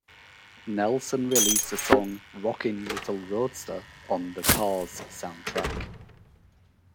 Nelson released the song "Rockin' Little Roadster" on the "Cars" soundtrack.